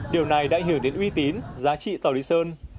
điều này đã hưởng đến uy tín giá trị tỏi lý sơn